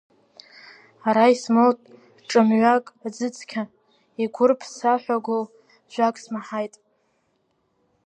Ара исмоут ҿамҩак аӡы-цқьа, игәырԥсаҳәагоу жәак смаҳаит…